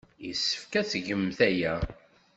Yessefk ad tgemt aya.